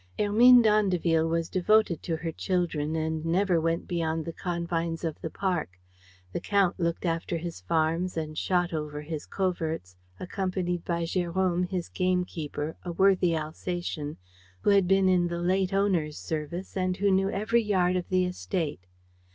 Hermine d'Andeville was devoted to her children and never went beyond the confines of the park. The Count looked after his farms and shot over his coverts, accompanied by Jérôme, his gamekeeper, a worthy Alsatian, who had been in the late owner's service and who knew every yard of the estate.